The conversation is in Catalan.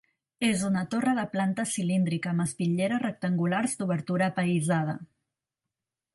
És una torre de planta cilíndrica amb espitlleres rectangulars d'obertura apaïsada.